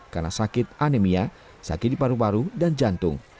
karena sakit anemia sakit di paru paru dan jantung